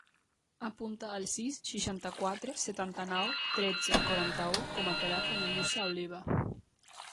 Apunta el sis, seixanta-quatre, setanta-nou, tretze, quaranta-u com a telèfon del Musa Oliva.